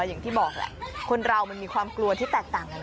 อย่างที่บอกแหละคนเรามันมีความกลัวที่แตกต่างกัน